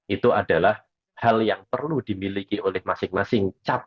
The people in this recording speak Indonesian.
itu adalah hal yang perlu dimiliki oleh masing masing